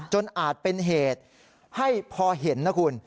อาจเป็นเหตุให้พอเห็นนะคุณ